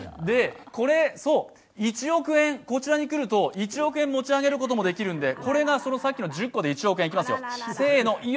こちらに来ると１億円持ち上げることもできるのでこれがさっきの１０個で１億円いきますよ、せーの。